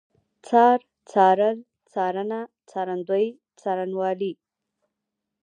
څار، څارل، څارنه، څارندوی، څارنوالي